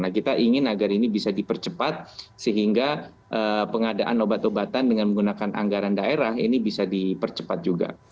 nah kita ingin agar ini bisa dipercepat sehingga pengadaan obat obatan dengan menggunakan anggaran daerah ini bisa dipercepat juga